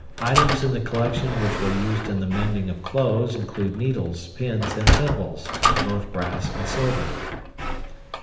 Items in the collection which were used in the mending of clothes include needles, pins, and thimbles (both brass and silver).